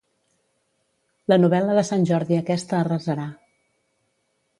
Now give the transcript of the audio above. La novel·la de Sant Jordi aquesta arrasarà.